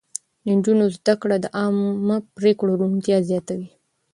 د نجونو زده کړه د عامه پرېکړو روڼتيا زياتوي.